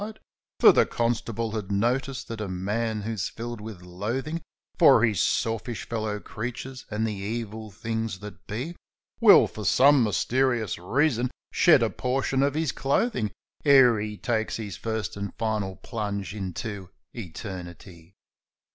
200 CONSTABLE M'CARTY'S INVESTIGATIONS For the constable had noticed that a man who's filled with loathing For his selfish fellow creatures and the evil things that be, Will, for some mysterious reason, shed a portion of his clothing, Ere he takes his first and final plunge into eternity.